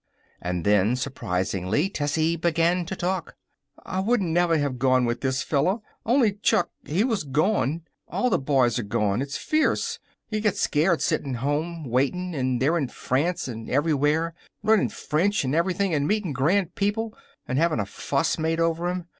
And then, surprisingly, Tessie began to talk. "I wouldn't never have gone with this fella, only Chuck, he was gone. All the boys're gone. It's fierce. You get scared, sitting home, waiting, and they're in France and everywhere, learning French and everything, and meeting grand people and having a fuss made over 'em.